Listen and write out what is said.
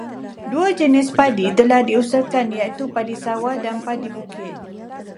Dua jenis padi telah diusahakan iaitu padi sawah dan padi bukit.